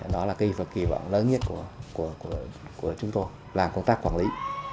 đó là cái kỳ vọng lớn nhất của chúng tôi làm công tác quản lý